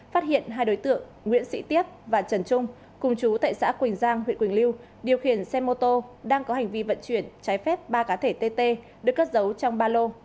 phát hiện hai đối tượng nguyễn sĩ tiếp và trần trung cùng chú tại xã quỳnh giang huyện quỳnh lưu điều khiển xe mô tô đang có hành vi vận chuyển trái phép ba cá thể tt được cất giấu trong ba lô